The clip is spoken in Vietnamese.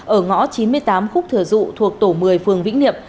ở ngõ chín mươi tám khúc thừa dụ thuộc tổ một mươi phường vĩnh niệm